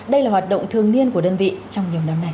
đây là hoạt động thường niên của đơn vị trong nhiều năm nay